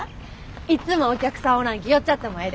いつもお客さんおらんき寄っちゃってもええで。